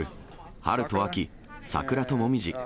春と秋、桜と紅葉。